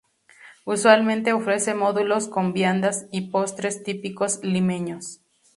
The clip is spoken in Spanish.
Usualmente ofrece módulos con viandas y postres típicos limeños.